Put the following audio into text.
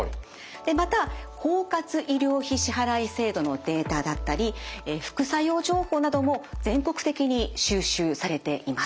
また包括医療費支払い制度のデータだったり副作用情報なども全国的に収集されています。